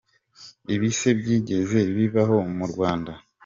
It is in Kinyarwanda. Ibi se byigeze bibaho mu Rwanda?